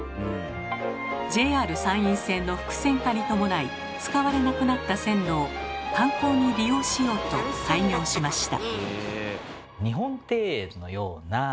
ＪＲ山陰線の複線化に伴い使われなくなった線路を観光に利用しようと開業しました。